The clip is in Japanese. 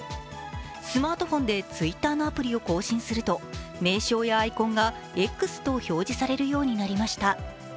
スマートフォンでＴｗｉｔｔｅｒのアプリを更新すると名称やアイコンがＸと表示されるようになりました。